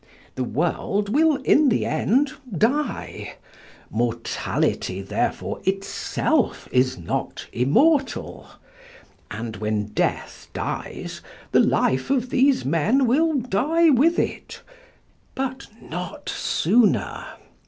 The world will in the end die; mortality therefore itself is not immortal, and when death dies the life of these men will die with it but not sooner.